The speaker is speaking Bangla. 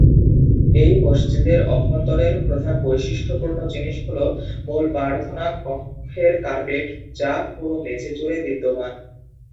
এই মসজিদের অভ্যন্তরের প্রধান বৈশিষ্ট্যপূর্ণ জিনিস হল মূল প্রার্থনা কক্ষের কার্পেট, যা পুরো মেঝে জুড়ে বিদ্যমান।